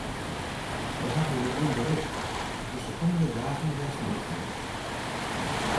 Wy hawwe hjir gjin berik, dus de kommende dagen hearst neat fan ús.